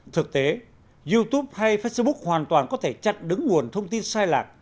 thực tế youtube hay facebook hoàn toàn có thể chặn đứng nguồn thông tin sai lạc